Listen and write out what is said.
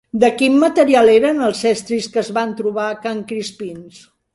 De quin material eren els estris que es van trobar a Can Crispins?